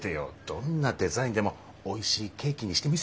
どんなデザインでもおいしいケーキにしてみせるよ。